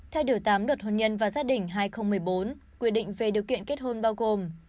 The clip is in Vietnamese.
theo điều tám luật hôn nhân và gia đình hai nghìn một mươi bốn quy định về điều kiện kết hôn bao gồm